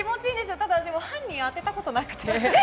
ただ、犯人を当てたことなくて。